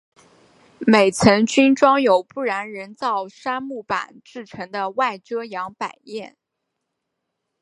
每层均装有不燃人造杉木板制成的外遮阳百叶。